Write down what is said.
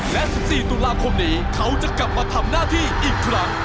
และ๑๔ตุลาคมนี้เขาจะกลับมาทำหน้าที่อีกครั้ง